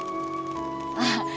ああ。